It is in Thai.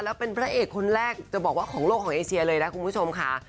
แล้วเป็นพระเอกคนแรกจะบอกว่าของโลกของเอเชียเลยนะคุณผู้ชมค่ะ